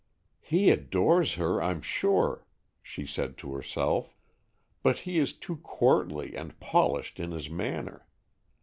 "He adores her, I'm sure," she said to herself, "but he is too courtly and polished in his manner.